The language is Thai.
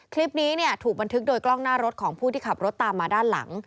คลิปนี้ถูกบันทึกโดยกล้องหน้ารถของผู้ที่ขับรถตามมาด้านหลัง